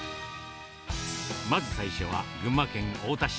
まず最初は群馬県太田市。